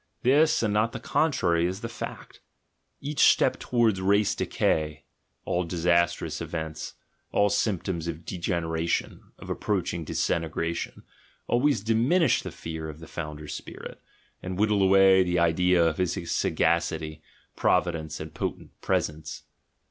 This, and not the contrary, is the fact. Each step to wards race decay, all disastrous events, all symptoms of degeneration, of approaching disintegration, always dimin ish the fear of the founders' spirit, and whittle away the idea of his sagacity, providence, and potent presence.